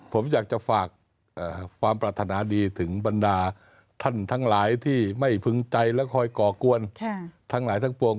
ผมอยากจะฝากความปรารถนาดีถึงบรรดาท่านทั้งหลายที่ไม่พึงใจและคอยก่อกวนทั้งหลายทั้งปวง